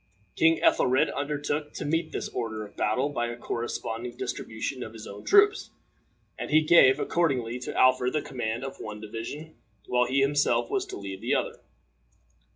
King Ethelred undertook to meet this order of battle by a corresponding distribution of his own troops, and he gave, accordingly, to Alfred the command of one division, while he himself was to lead the other.